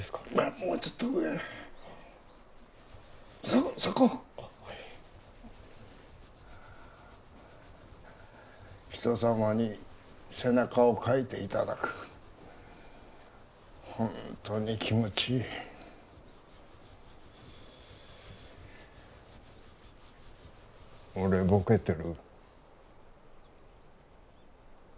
もうちょっと上そこそこあっはい人様に背中をかいていただくホントに気持ちいい俺ボケてる？